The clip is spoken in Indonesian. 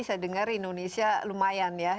saya dengar indonesia lumayan ya